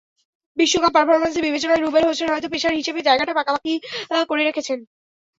বিশ্বকাপ পারফরম্যান্সের বিবেচনায় রুবেল হোসেন হয়তো পেসার হিসেবে জায়গাটা পাকাপাকিই করে রেখেছেন।